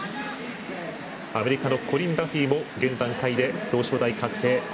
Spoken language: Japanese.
アメリカのコリン・ダフィーも現段階で表彰台が確定。